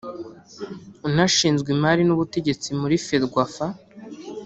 anashinzwe Imari n’Ubutegetsi muri Ferwafa